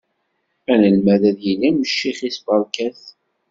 Anelmad ad yili am ccix-is, beṛka-t.